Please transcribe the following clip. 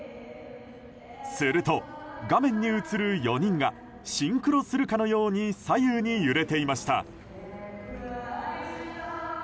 すると、画面に映る４人がシンクロするかのように左右に揺れていました。